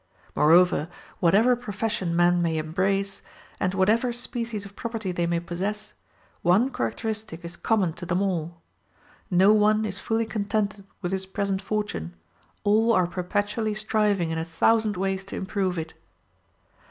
Moreover, whatever profession men may embrace, and whatever species of property they may possess, one characteristic is common to them all. No one is fully contented with his present fortune all are perpetually striving in a thousand ways to improve it.